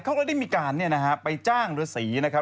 เขาก็ได้มีการเนี่ยนะฮะไปจ้างรสีนะครับ